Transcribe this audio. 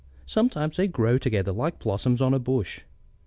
Sometimes they grow together like blossoms on a bush.